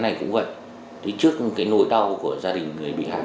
này cũng vậy thế trước cái nỗi đau của gia đình người bị hạ